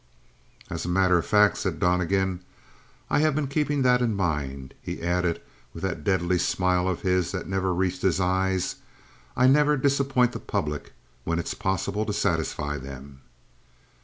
"As a matter of fact," said Donnegan, "I have been keeping that in mind." He added, with that deadly smile of his that never reached his eyes: "I never disappoint the public when it's possible to satisfy them."